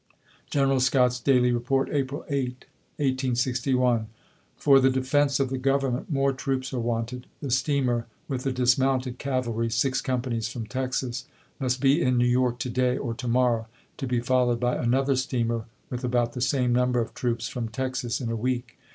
General Scott's daily report, April 8, 1861 : For the defense of the Government, more troops are wanted. The steamer with the dismounted cavalry (six companies) from Texas, must be in New York to day or to morrow, to be followed by another steamer, with about the same number of troops, from Texas, in a week.